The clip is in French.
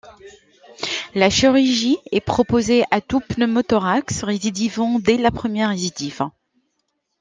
La chirurgie est proposée à tout pneumothorax récidivant dès la première récidive.